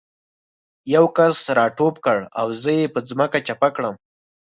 یو کس را ټوپ کړ او زه یې په ځمکه چپه کړم